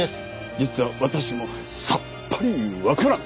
実は私もさっぱりわからん！